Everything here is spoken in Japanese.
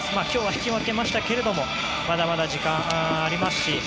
今日は引き分けましたけれどもまだまだ時間はありますし